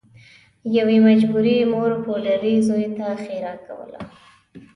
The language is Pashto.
یوې مجبورې مور پوډري زوی ته ښیرا کوله